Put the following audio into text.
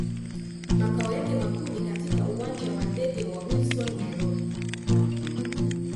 Makao yake makuu ni katika Uwanja wa ndege wa Wilson, Nairobi.